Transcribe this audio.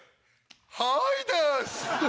はいです！